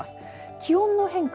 気温の変化